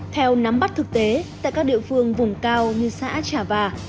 theo nắm bắt thực tế tại các địa phương vùng cao như xã trà và